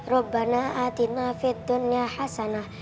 rubbana atina fid dunya hasanah